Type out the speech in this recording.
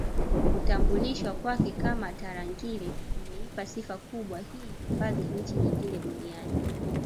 Kutambulishwa kwake kama Tarangire kumeipa sifa kubwa hii hifadhi nchi nyingi Duniani